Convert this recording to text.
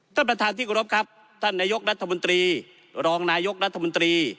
ท่านประธานที่กรบครับท่านนายกรัฐมนตรีรองนายกรัฐมนตรี